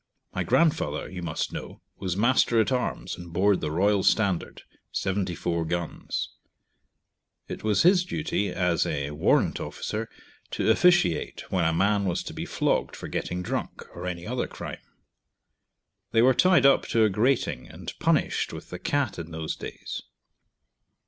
My grandfather, you must know, was master at arms on board the Royal Standard, 74 guns. It was his duty as a warrant officer to officiate when a man was to be flogged for getting drunk, or any other crime. They were tied up to a grating and punished with the cat in those days.